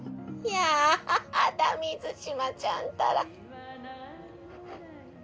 やあだ水嶋ちゃんったら。